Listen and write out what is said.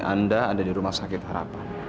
anda ada di rumah sakit harapan